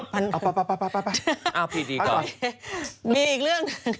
มีอีกเรื่อง